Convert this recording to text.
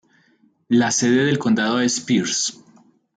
La sede del condado es Pierce.